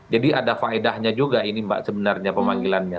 jadi ada faedahnya juga ini mbak sebenarnya pemanggilannya